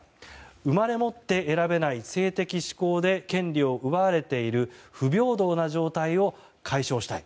生まれ持って選べない性的指向で権利を奪われている不平等な状態を解消したい。